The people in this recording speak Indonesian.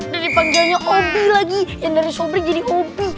dari panjangnya obi lagi yang dari sobring jadi obi